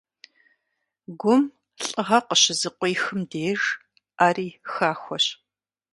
Гум лӀыгъэ къыщызыкъуихым деж, Ӏэри хахуэщ.